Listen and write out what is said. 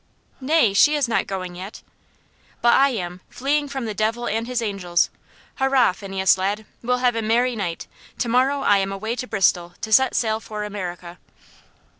"Nay she is not going yet." "But I am fleeing from the devil and his angels. Hurrah, Phineas, lad! We'll have a merry night. To morrow I am away to Bristol, to set sail for America."